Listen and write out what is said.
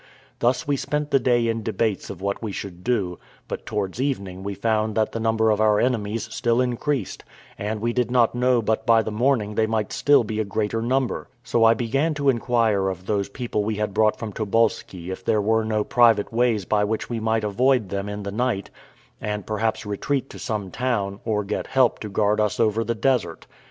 Thus we spent the day in debates of what we should do; but towards evening we found that the number of our enemies still increased, and we did not know but by the morning they might still be a greater number: so I began to inquire of those people we had brought from Tobolski if there were no private ways by which we might avoid them in the night, and perhaps retreat to some town, or get help to guard us over the desert.